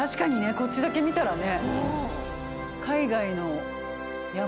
こっちだけ見たらね。